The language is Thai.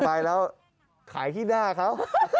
ไปแล้วขายที่หน้าเขา